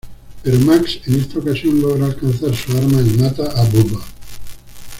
Pero Max en esta ocasión logra alcanzar su arma y mata a Bubba.